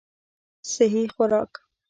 سهي خوراک